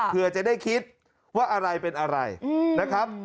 เพื่อจะได้คิดว่าอะไรเป็นอะไรนะครับ